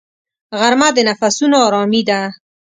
غرمه د نفسونو آرامي ده